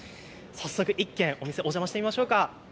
早速１軒、お邪魔してみましょう。